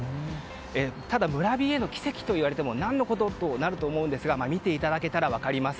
ただ、村ＢＡの奇跡といわれても何のこと？となると思いますが見ていただけたら分かると思います。